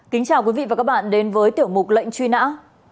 tiếp theo là thông tin về truy nã tội phạm